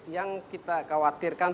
yang kita khawatirkan